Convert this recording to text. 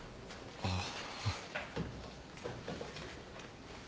ああ。